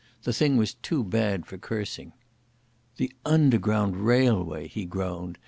The thing was too bad for cursing. "The Underground Railway!" he groaned.